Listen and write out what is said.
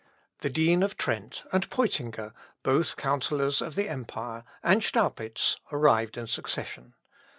The dean of Trent, and Peutinger, both counsellors of the emperor, and Staupitz, arrived in succession.